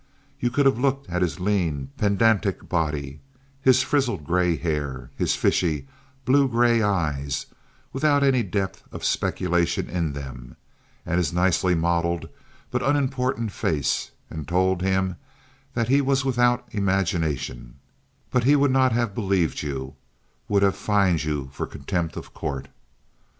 You could have looked at his lean, pedantic body, his frizzled gray hair, his fishy, blue gray eyes, without any depth of speculation in them, and his nicely modeled but unimportant face, and told him that he was without imagination; but he would not have believed you—would have fined you for contempt of court.